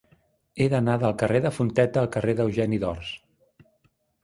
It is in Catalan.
He d'anar del carrer de Fonteta al carrer d'Eugeni d'Ors.